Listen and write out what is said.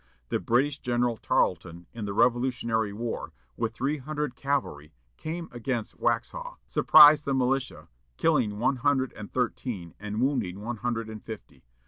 The British General Tarlton, in the Revolutionary War, with three hundred cavalry, came against Waxhaw, surprised the militia, killing one hundred and thirteen and wounding one hundred and fifty.